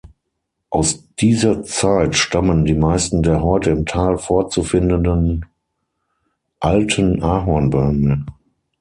Aus dieser Zeit stammen die meisten der heute im Tal vorzufindenden alten Ahornbäume.